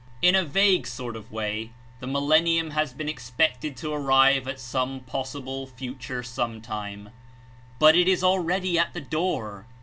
In a vague sort of way the ''Millennium" has been expected ^^^°^.'^^•'. 1 1 /• Millennium to arrive at some possible future some time; but it is already at the door.